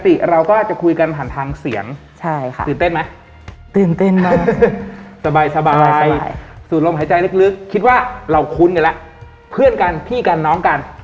ปกติเราก็จะคุยกันผ่านทางเสียง